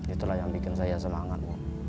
itulah yang bikin saya semangat